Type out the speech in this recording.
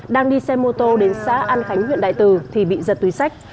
đang đi xe mô tô đến xã an khánh huyện đại từ thì bị giật túi sách